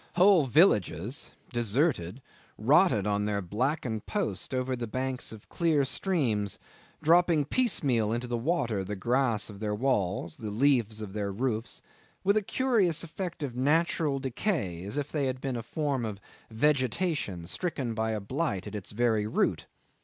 Whole villages, deserted, rotted on their blackened posts over the banks of clear streams, dropping piecemeal into the water the grass of their walls, the leaves of their roofs, with a curious effect of natural decay as if they had been a form of vegetation stricken by a blight at its very root.